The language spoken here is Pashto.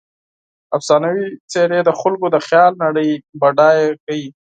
افسانوي څیرې د خلکو د خیال نړۍ بډایه کوي.